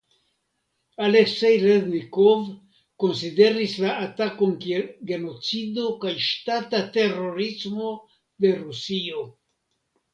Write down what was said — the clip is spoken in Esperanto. Aleksej Reznikov konsideris la atakon kiel genocido kaj ŝtata terorismo de Rusio.